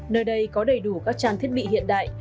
nơi đây có đầy đủ các trang thiết bị hiện đại